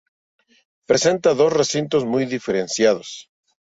Presenta dos recintos muy diferenciados.